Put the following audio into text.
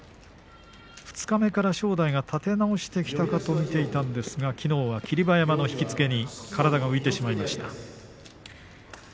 二日目から正代が立て直してきたかと見ていたんですがきのうは霧馬山の引き付けに体が浮いてしまいました。